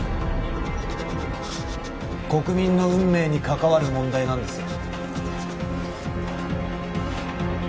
国民の運命に関わる問題なんですよ